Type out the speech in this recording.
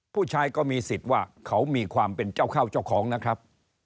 ก็มีสิทธิ์ว่าเขามีความเป็นเจ้าข้าวเจ้าของนะครับ